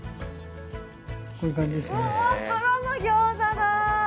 こういう感じですね。